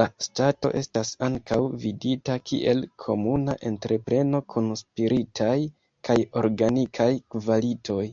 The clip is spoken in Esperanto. La stato estas ankaŭ vidita kiel komuna entrepreno kun spiritaj kaj organikaj kvalitoj.